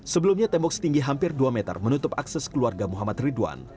sebelumnya tembok setinggi hampir dua meter menutup akses keluarga muhammad ridwan